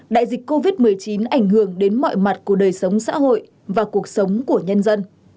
đại dịch covid một mươi chín ảnh hưởng đến mọi mặt của đời sống xã hội và cuộc sống của nhân dân